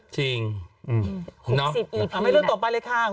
จริงอืมหรือเปล่าคุณน้อง